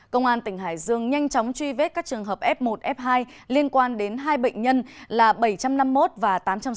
công an tỉnh hải dương nhanh chóng truy vết các trường hợp f một f hai liên quan đến hai bệnh nhân là bảy trăm năm mươi một và tám trăm sáu mươi